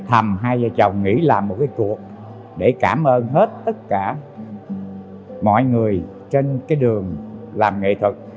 thầm hai vợ chồng nghĩ là một cái cuộc để cảm ơn hết tất cả mọi người trên cái đường làm nghệ thuật